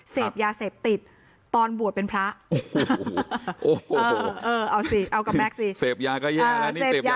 เสพยาเสพติดตอนบวชเป็นพระเออเออเอาสิเอากับแม็คสิเซฟยาก็แย่นะ